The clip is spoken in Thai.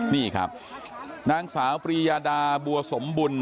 นี่ครับนางสาวปรียาดาบัวสมบุญ